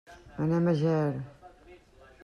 Anem a Ger.